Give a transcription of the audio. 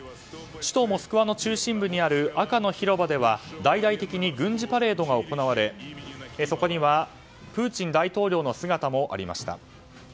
首都モスクワの中心部にある赤の広場では大々的に軍事パレードが行われそこには、プーチン大統領の姿もありました。